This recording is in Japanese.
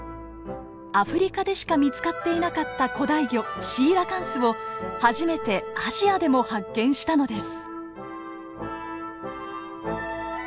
アフリカでしか見つかっていなかった古代魚シーラカンスを初めてアジアでも発見したのです。